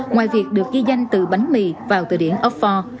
ngoài việc được ghi danh từ bánh mì vào từ điển offor